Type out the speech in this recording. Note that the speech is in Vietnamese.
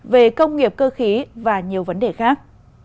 về công nghiệp cơ khí và nhiều vấn đề khác